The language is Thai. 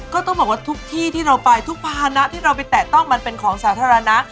ก็ต้องบอกว่าทุกที่ที่เราไปทุกภาษณะที่เราไปแตะต้องมันเป็นของสาธารณะ